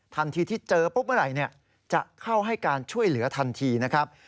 ทันทีที่เจอปุ๊บเมื่อไหร่จะเข้าให้การช่วยเหลือทันทีนะครับ